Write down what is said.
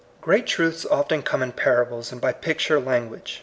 5 Great truths often come in parables and by picture language.